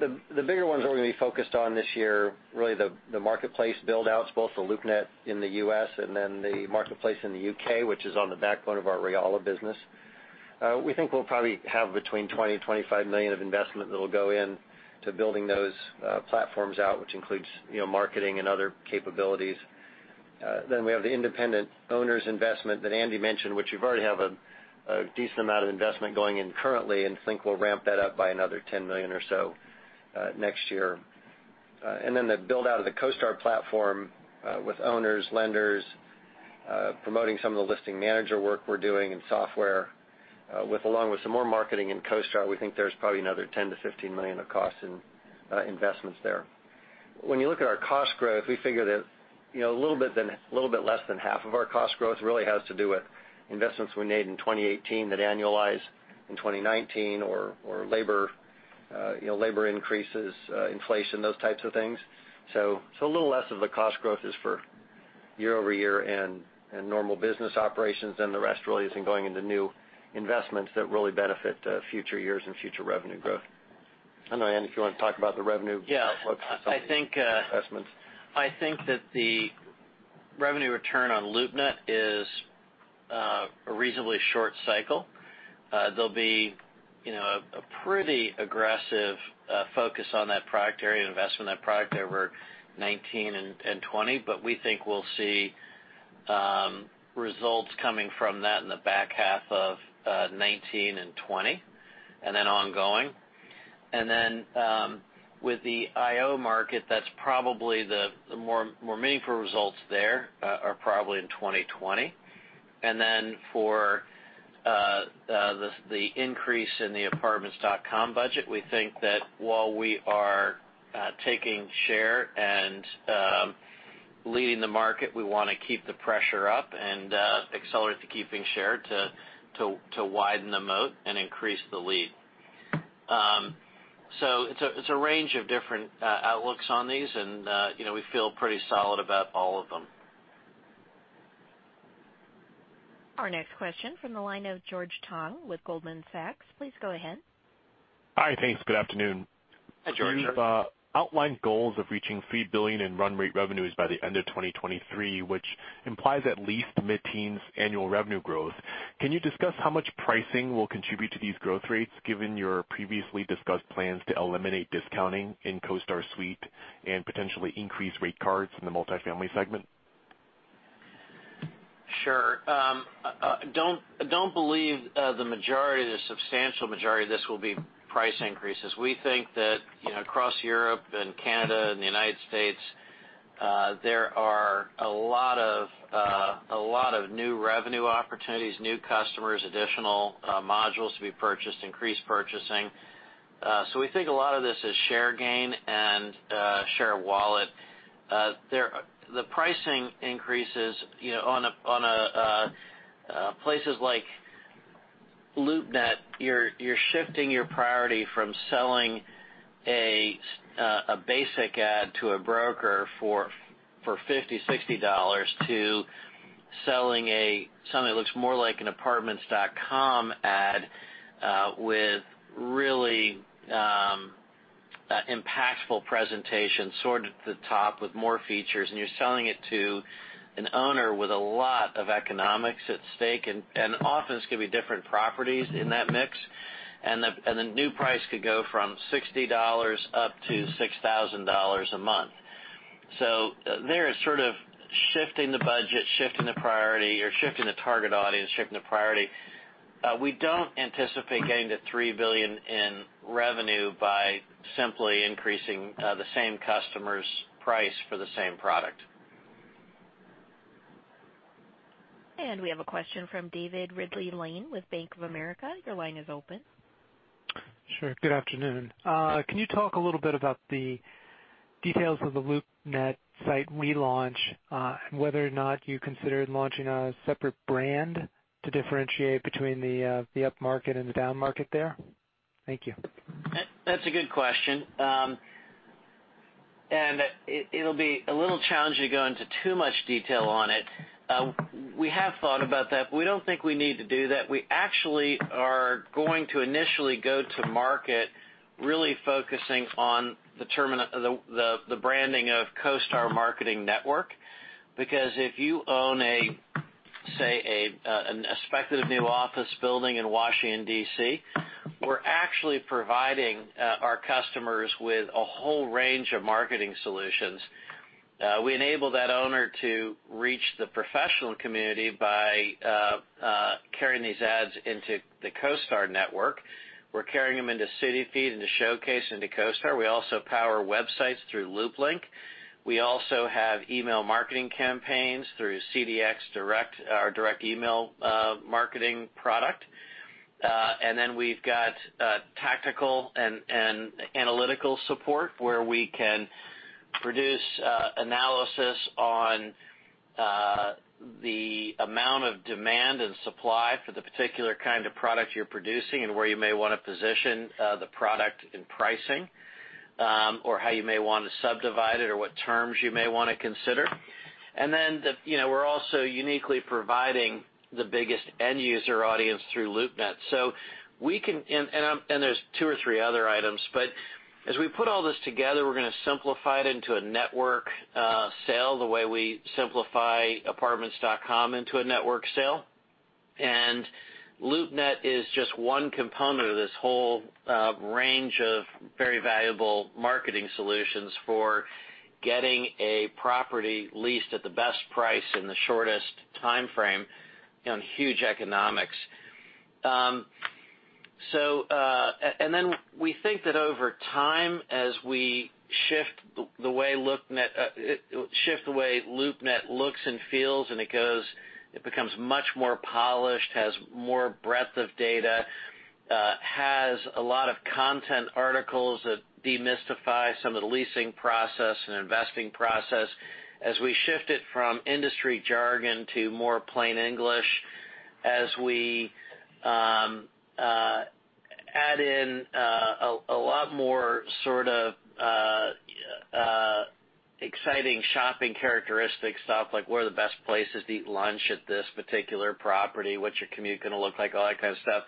The bigger ones that we're going to be focused on this year, really the marketplace build-outs, both the LoopNet in the U.S. and the marketplace in the U.K., which is on the backbone of our Realla business. We think we'll probably have between $20 million-$25 million of investment that'll go in to building those platforms out, which includes marketing and other capabilities. Then we have the independent owner's investment that Andy mentioned, which we've already have a decent amount of investment going in currently, and think we'll ramp that up by another $10 million or so next year. The build-out of the CoStar platform with owners, lenders, promoting some of the Listing Manager work we're doing in software, along with some more marketing in CoStar, we think there's probably another $10 million-$15 million of costs in investments there. When you look at our cost growth, we figure that a little bit less than half of our cost growth really has to do with investments we made in 2018 that annualize in 2019 or labor increases, inflation, those types of things. A little less of the cost growth is for year-over-year and normal business operations, then the rest really is in going into new investments that really benefit future years and future revenue growth. I don't know, Andy, if you want to talk about the revenue- Yeah outlook on some of the investments. I think that the revenue return on LoopNet is a reasonably short cycle. There'll be a pretty aggressive focus on that product area and investment in that product over 2019 and 2020, but we think we'll see results coming from that in the back half of 2019 and 2020, then ongoing. With the IO market, the more meaningful results there are probably in 2020. For the increase in the Apartments.com budget, we think that while we are taking share and leading the market, we want to keep the pressure up and accelerate to keeping share to widen the moat and increase the lead. It's a range of different outlooks on these, and we feel pretty solid about all of them. Our next question from the line of George Tong with Goldman Sachs. Please go ahead. Hi. Thanks. Good afternoon. Hi, George. You've outlined goals of reaching $3 billion in run rate revenues by the end of 2023, which implies at least mid-teens annual revenue growth. Can you discuss how much pricing will contribute to these growth rates, given your previously discussed plans to eliminate discounting in CoStar Suite and potentially increase rate cards in the multifamily segment? Sure. I don't believe the majority, the substantial majority of this will be price increases. We think that across Europe, Canada, and the U.S., there are a lot of new revenue opportunities, new customers, additional modules to be purchased, increased purchasing. We think a lot of this is share gain and share wallet. The pricing increases on places like LoopNet, you're shifting your priority from selling a basic ad to a broker for $50-$60, to selling something that looks more like an Apartments.com ad with really impactful presentation, sort of at the top with more features, and you're selling it to an owner with a lot of economics at stake. Often, it's going to be different properties in that mix, and the new price could go from $60 up to $6,000 a month. There is sort of shifting the budget, shifting the priority, or shifting the target audience, shifting the priority. We don't anticipate getting to $3 billion in revenue by simply increasing the same customer's price for the same product. We have a question from David Ridley-Lane with Bank of America. Your line is open. Sure. Good afternoon. Can you talk a little bit about the details of the LoopNet site relaunch, and whether or not you considered launching a separate brand to differentiate between the upmarket and the downmarket there? Thank you. That's a good question. It'll be a little challenging to go into too much detail on it. We have thought about that. We don't think we need to do that. We actually are going to initially go to market really focusing on the branding of CoStar marketing network. Because if you own, say, a speculative new office building in Washington, D.C., we're actually providing our customers with a whole range of marketing solutions. We enable that owner to reach the professional community by carrying these ads into the CoStar network. We're carrying them into CityFeet, into Showcase, into CoStar. We also power websites through LoopLink. We also have email marketing campaigns through CDX Mail, our direct email marketing product. We've got tactical and analytical support, where we can produce analysis on the amount of demand and supply for the particular kind of product you're producing and where you may want to position the product and pricing. How you may want to subdivide it, or what terms you may want to consider. We're also uniquely providing the biggest end-user audience through LoopNet. There's two or three other items, but as we put all this together, we're going to simplify it into a network sale, the way we simplify Apartments.com into a network sale. LoopNet is just one component of this whole range of very valuable marketing solutions for getting a property leased at the best price in the shortest timeframe on huge economics. We think that over time, as we shift the way LoopNet looks and feels, and it becomes much more polished, has more breadth of data, has a lot of content articles that demystify some of the leasing process and investing process, as we shift it from industry jargon to more plain English, as we add in a lot more sort of exciting shopping characteristic stuff like where are the best places to eat lunch at this particular property, what's your commute going to look like, all that kind of stuff.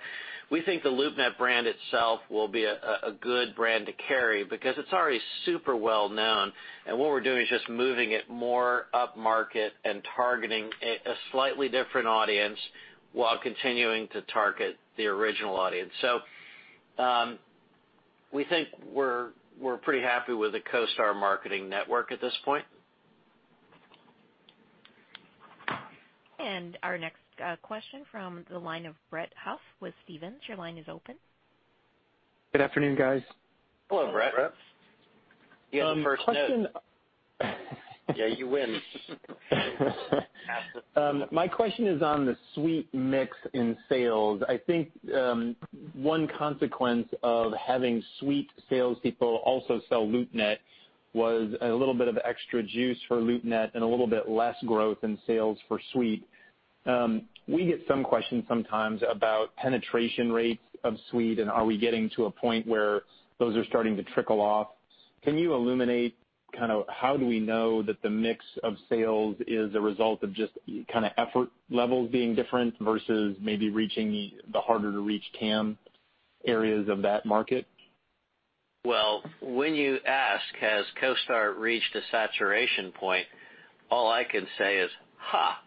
We think the LoopNet brand itself will be a good brand to carry because it's already super well-known, and what we're doing is just moving it more upmarket and targeting a slightly different audience while continuing to target the original audience. We think we're pretty happy with the CoStar marketing network at this point. Our next question from the line of Brett Huff with Stephens. Your line is open. Good afternoon, guys. Hello, Brett. Brett. You have the first note. Question Yeah, you win. My question is on the Suite mix in sales. I think one consequence of having Suite salespeople also sell LoopNet was a little bit of extra juice for LoopNet and a little bit less growth in sales for Suite. We get some questions sometimes about penetration rates of Suite and are we getting to a point where those are starting to trickle off. Can you illuminate how do we know that the mix of sales is a result of just kind of effort levels being different versus maybe reaching the harder-to-reach TAM areas of that market? Well, when you ask, "Has CoStar reached a saturation point?" All I can say is, "Ha."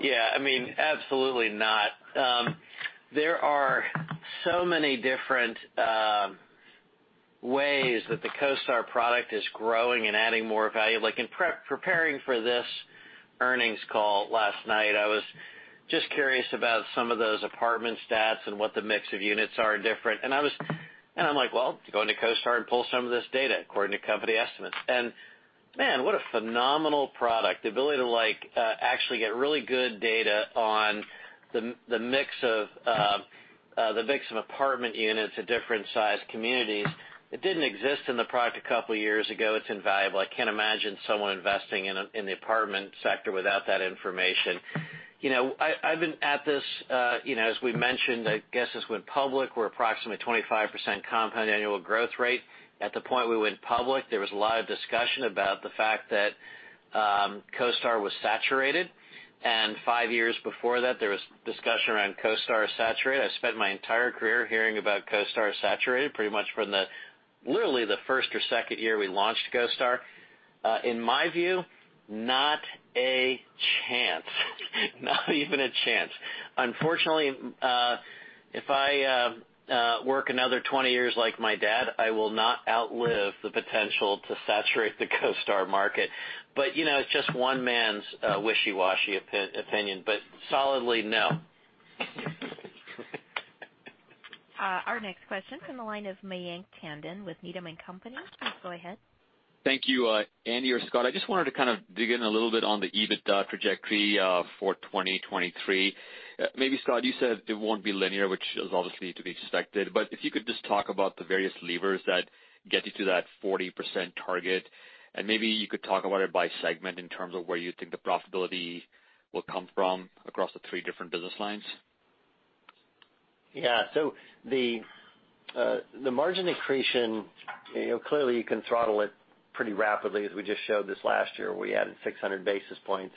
Yeah, absolutely not. There are so many different ways that the CoStar product is growing and adding more value. In preparing for this earnings call last night, I was just curious about some of those apartment stats and what the mix of units are different. I'm like, well, go into CoStar and pull some of this data according to company estimates. Man, what a phenomenal product. The ability to actually get really good data on the mix of apartment units at different-sized communities, it didn't exist in the product a couple of years ago. It's invaluable. I can't imagine someone investing in the apartment sector without that information. I've been at this, as we mentioned, I guess, since we went public. We're approximately 25% compound annual growth rate. At the point we went public, there was a lot of discussion about the fact that CoStar was saturated, five years before that, there was discussion around CoStar is saturated. I spent my entire career hearing about CoStar is saturated, pretty much from literally the first or second year we launched CoStar. In my view, not a chance. Not even a chance. Unfortunately, if I work another 20 years like my dad, I will not outlive the potential to saturate the CoStar market. It's just one man's wishy-washy opinion, solidly no. Our next question's from the line of Mayank Tandon with Needham & Company. Please go ahead. Thank you, Andy or Scott. I just wanted to dig in a little on the EBITDA trajectory for 2023. Maybe Scott, you said it won't be linear, which is obviously to be expected, if you could just talk about the various levers that get you to that 40% target, and maybe you could talk about it by segment in terms of where you think the profitability will come from across the three different business lines. Yeah. The margin accretion, clearly you can throttle it pretty rapidly as we just showed this last year, where we added 600 basis points.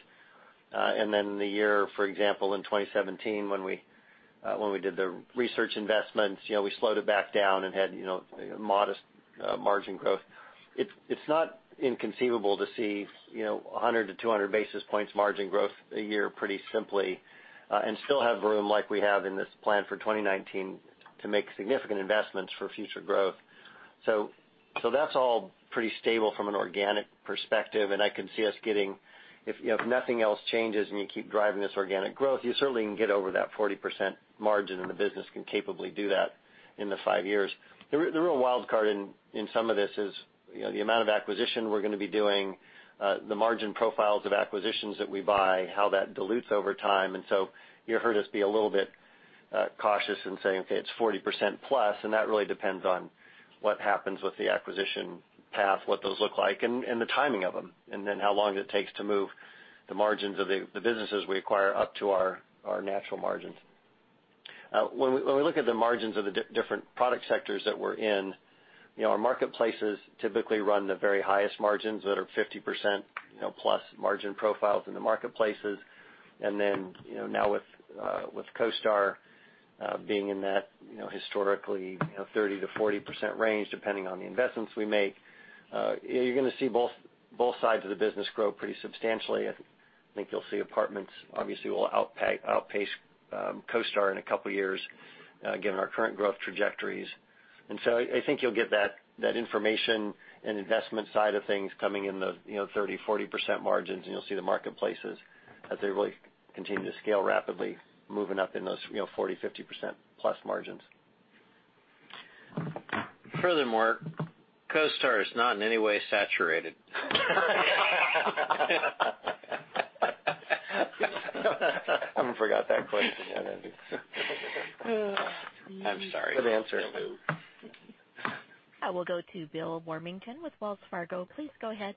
The year, for example, in 2017 when we did the research investments, we slowed it back down and had modest margin growth. It's not inconceivable to see 100-200 basis points margin growth a year pretty simply, and still have room like we have in this plan for 2019 to make significant investments for future growth. That's all pretty stable from an organic perspective, and I can see us getting If nothing else changes and you keep driving this organic growth, you certainly can get over that 40% margin, and the business can capably do that in the five years. The real wild card in some of this is the amount of acquisition we're going to be doing, the margin profiles of acquisitions that we buy, how that dilutes over time. You heard us be a little bit cautious in saying, okay, it's 40% plus, and that really depends on what happens with the acquisition path, what those look like, and the timing of them. How long it takes to move the margins of the businesses we acquire up to our natural margins. When we look at the margins of the different product sectors that we're in, our marketplaces typically run the very highest margins that are 50% plus margin profiles in the marketplaces. Now with CoStar being in that historically 30%-40% range, depending on the investments we make, you're going to see both sides of the business grow pretty substantially. I think you'll see Apartments.com obviously will outpace CoStar in a couple of years, given our current growth trajectories. I think you'll get that information and investment side of things coming in the 30%-40% margins, and you'll see the marketplaces as they really continue to scale rapidly moving up in those 40%-50%+ margins. Furthermore, CoStar is not in any way saturated. I forgot that question, Andy. I'm sorry. Good answer. I will go to Bill Warmington with Wells Fargo. Please go ahead.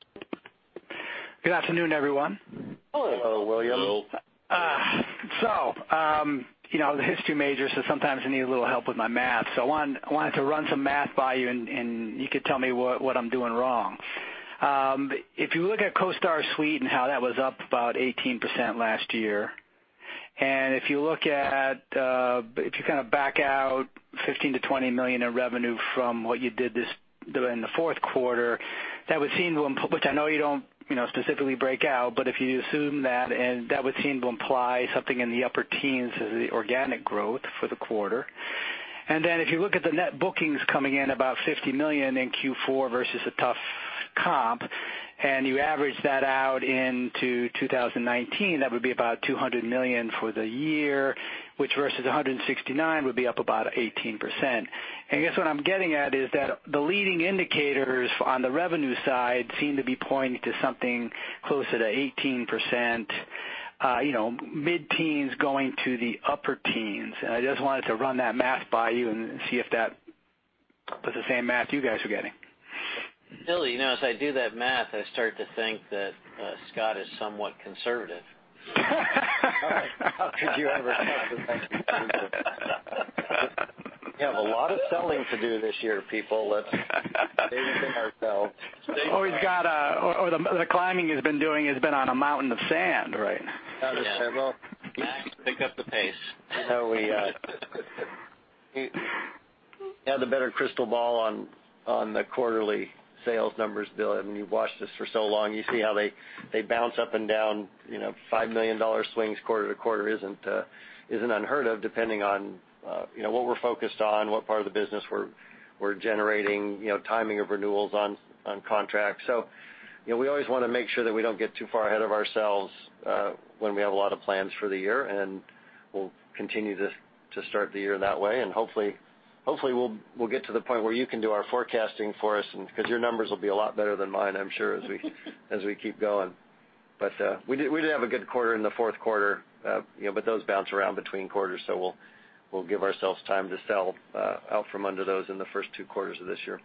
Good afternoon, everyone. Hello, William. Hello. The history major says sometimes I need a little help with my math. I wanted to run some math by you, and you could tell me what I'm doing wrong. If you look at CoStar Suite and how that was up about 18% last year, if you kind of back out $15 million-$20 million in revenue from what you did in the fourth quarter, which I know you don't specifically break out, but if you assume that would seem to imply something in the upper teens as the organic growth for the quarter. If you look at the net bookings coming in about $50 million in Q4 versus a tough comp, you average that out into 2019, that would be about $200 million for the year, which versus $169 would be up about 18%. I guess what I'm getting at is that the leading indicators on the revenue side seem to be pointing to something closer to 18%, mid-teens going to the upper teens. I just wanted to run that math by you and see if that was the same math you guys are getting. Bill, as I do that math, I start to think that Scott is somewhat conservative. How could you ever come to that conclusion? We have a lot of selling to do this year, people. Let's not get ahead of ourselves. The climbing he's been doing has been on a mountain of sand, right? Is that a parable? Max, pick up the pace. You have the better crystal ball on the quarterly sales numbers, Bill. I mean, you've watched this for so long. You see how they bounce up and down. $5 million swings quarter to quarter isn't unheard of, depending on what we're focused on, what part of the business we're generating, timing of renewals on contracts. We always want to make sure that we don't get too far ahead of ourselves when we have a lot of plans for the year, and we'll continue to start the year that way. Hopefully, we'll get to the point where you can do our forecasting for us, because your numbers will be a lot better than mine, I'm sure, as we keep going. We did have a good quarter in the fourth quarter, but those bounce around between quarters, so we'll give ourselves time to sell out from under those in the first two quarters of this year.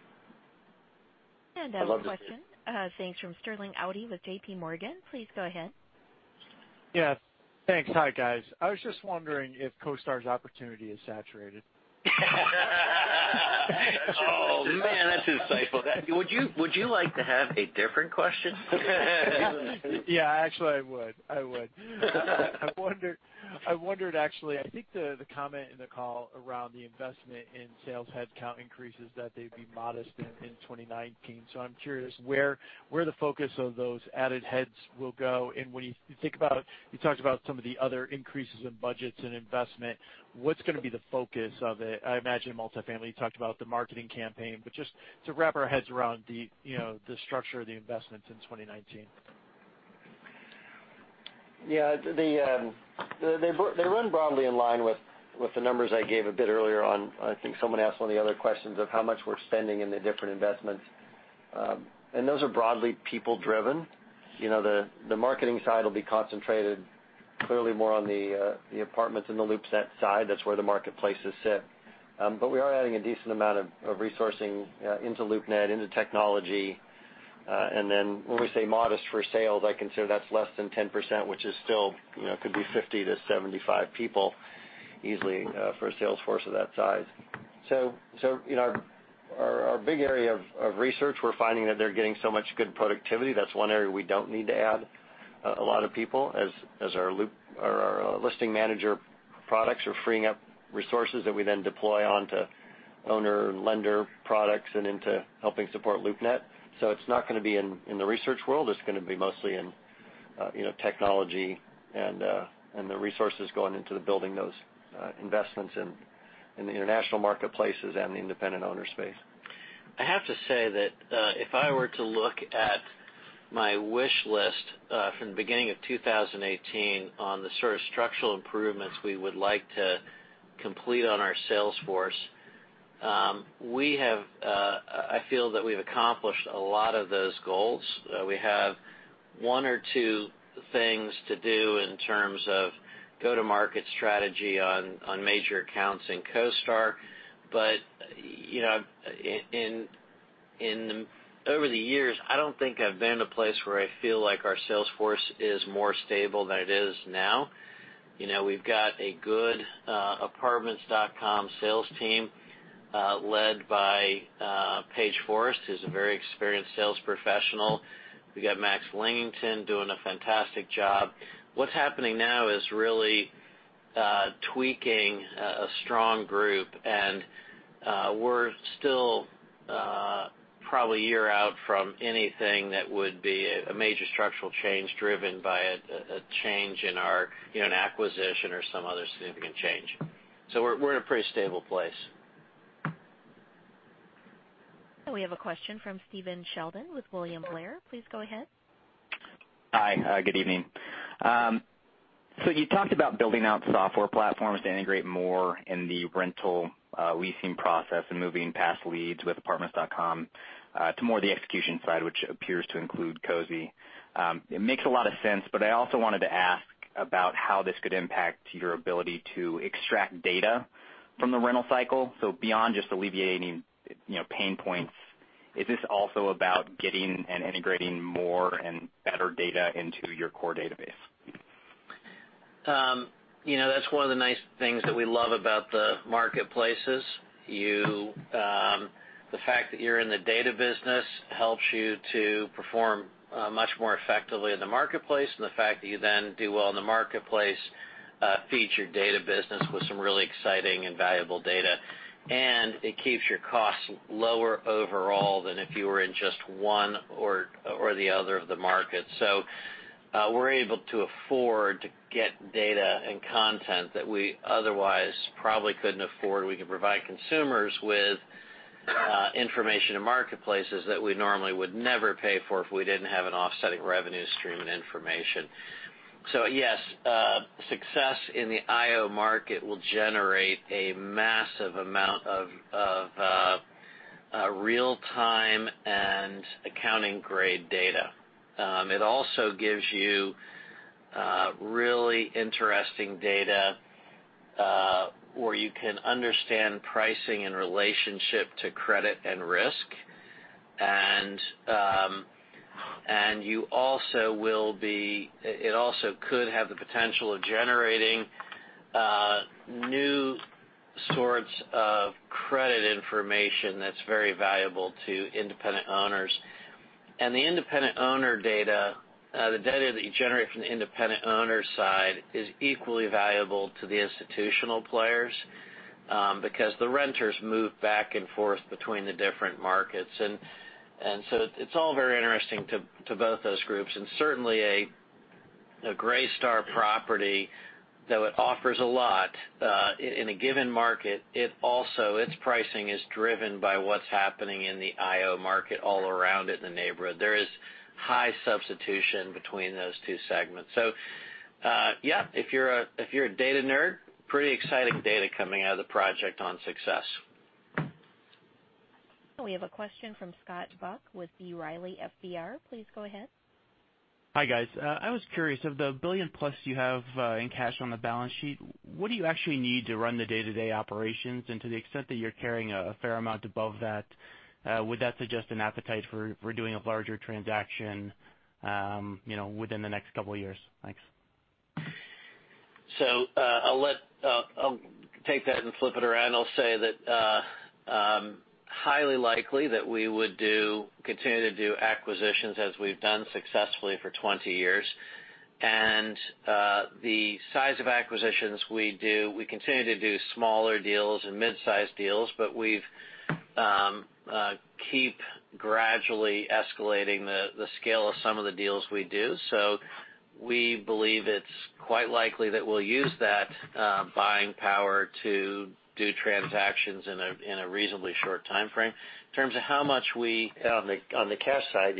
Another question. I'd love to see it. Thanks, from Sterling Auty with J.P. Morgan. Please go ahead. Yeah. Thanks. Hi, guys. I was just wondering if CoStar's opportunity is saturated. Insightful. Would you like to have a different question? I would. I wondered, actually, I think the comment in the call around the investment in sales headcount increases that they'd be modest in 2019. I'm curious where the focus of those added heads will go. When you think about, you talked about some of the other increases in budgets and investment, what's going to be the focus of it? I imagine multifamily. You talked about the marketing campaign, just to wrap our heads around the structure of the investment in 2019. They run broadly in line with the numbers I gave a bit earlier on, I think someone asked one of the other questions of how much we're spending in the different investments. Those are broadly people-driven. The marketing side will be concentrated clearly more on the Apartments.com and the LoopNet side. That's where the marketplaces sit. We are adding a decent amount of resourcing into LoopNet, into technology. When we say modest for sales, I consider that's less than 10%, which still could be 50 to 75 people easily for a sales force of that size. Our big area of research, we're finding that they're getting so much good productivity. That's one area we don't need to add a lot of people as our Listing Manager products are freeing up resources that we then deploy onto owner and lender products and into helping support LoopNet. It's not going to be in the research world. It's going to be mostly in technology and the resources going into the building those investments in the international marketplaces and the independent owner space. I have to say that if I were to look at my wish list from the beginning of 2018 on the sort of structural improvements we would like to complete on our sales force, I feel that we've accomplished a lot of those goals. We have one or two things to do in terms of go-to-market strategy on major accounts in CoStar. Over the years, I don't think I've been a place where I feel like our sales force is more stable than it is now. We've got a good Apartments.com sales team led by Paige Forrest, who's a very experienced sales professional. We've got Max Linnington doing a fantastic job. What's happening now is really tweaking a strong group, and we're still probably a year out from anything that would be a major structural change driven by a change in an acquisition or some other significant change. We're in a pretty stable place. We have a question from Stephen Sheldon with William Blair. Please go ahead. Hi. Good evening. You talked about building out software platforms to integrate more in the rental leasing process and moving past leads with Apartments.com to more the execution side, which appears to include Cozy. It makes a lot of sense, but I also wanted to ask about how this could impact your ability to extract data from the rental cycle. Beyond just alleviating pain points, is this also about getting and integrating more and better data into your core database? That's one of the nice things that we love about the marketplaces. The fact that you're in the data business helps you to perform much more effectively in the marketplace. The fact that you then do well in the marketplace feeds your data business with some really exciting and valuable data. It keeps your costs lower overall than if you were in just one or the other of the markets. We're able to afford to get data and content that we otherwise probably couldn't afford. We can provide consumers with information in marketplaces that we normally would never pay for if we didn't have an offsetting revenue stream and information. Yes, success in the IO market will generate a massive amount of real-time and accounting-grade data. It also gives you really interesting data where you can understand pricing in relationship to credit and risk. It also could have the potential of generating new sorts of credit information that's very valuable to independent owners. The independent owner data, the data that you generate from the independent owner side is equally valuable to the institutional players, because the renters move back and forth between the different markets. It's all very interesting to both those groups. Certainly a Greystar property, though it offers a lot in a given market, its pricing is driven by what's happening in the IO market all around it in the neighborhood. There is high substitution between those two segments. Yeah, if you're a data nerd, pretty exciting data coming out of the project on success. We have a question from Scott Buck with B. Riley FBR. Please go ahead. Hi, guys. I was curious, of the billion-plus you have in cash on the balance sheet, what do you actually need to run the day-to-day operations? To the extent that you're carrying a fair amount above that, would that suggest an appetite for doing a larger transaction within the next couple of years? Thanks. I'll take that and flip it around. I'll say that highly likely that we would continue to do acquisitions as we've done successfully for 20 years. The size of acquisitions we do, we continue to do smaller deals and mid-size deals, but we keep gradually escalating the scale of some of the deals we do. We believe it's quite likely that we'll use that buying power to do transactions in a reasonably short timeframe. In terms of how much we On the cash side,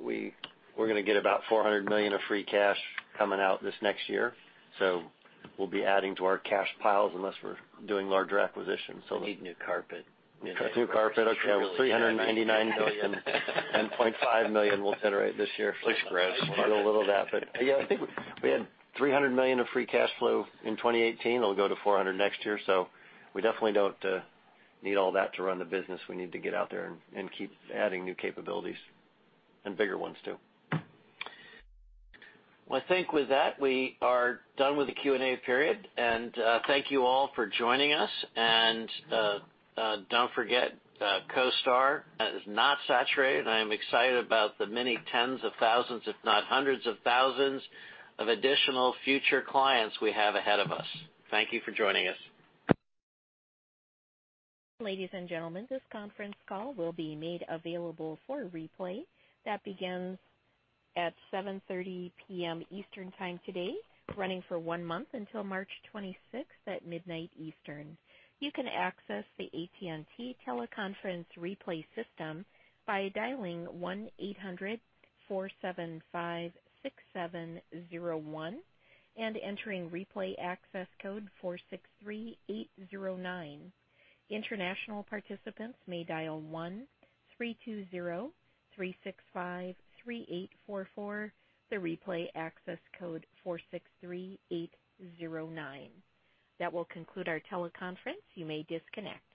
we're going to get about $400 million of free cash coming out this next year. We'll be adding to our cash piles unless we're doing larger acquisitions. We need new carpet. New carpet. Okay, well, $399.5 million we'll generate this year. Please scratch. A little of that. I think we had $300 million of free cash flow in 2018. It will go to $400 million next year. We definitely do not need all that to run the business. We need to get out there and keep adding new capabilities and bigger ones, too. I think with that, we are done with the Q&A period. Thank you all for joining us. Do not forget, CoStar is not saturated. I am excited about the many tens of thousands, if not hundreds of thousands, of additional future clients we have ahead of us. Thank you for joining us. Ladies and gentlemen, this conference call will be made available for replay. That begins at 7:30 P.M. Eastern Time today, running for one month until March 26th at midnight Eastern. You can access the AT&T teleconference replay system by dialing 1-800-475-6701 and entering replay access code 463809. International participants may dial 1-320-365-3844, the replay access code 463809. That will conclude our teleconference. You may disconnect.